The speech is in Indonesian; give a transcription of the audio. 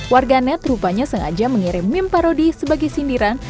warga net rupanya sengaja mengirim meme parodi sebagai sindiran